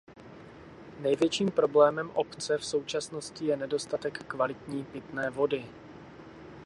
Největším problémem obce v současnosti je nedostatek kvalitní pitné vody.